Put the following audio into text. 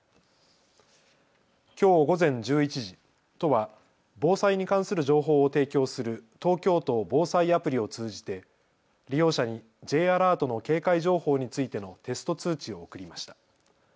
きょう午前１１時、都は防災に関する情報を提供する東京都防災アプリを通じて利用者にＪアラートの警戒情報についてのテスト通知を送りました。